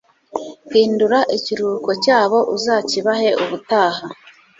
Hindura ikiruhuko cyabo uzakibahe ubutaha